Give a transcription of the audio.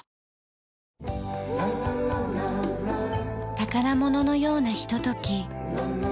宝物のようなひととき。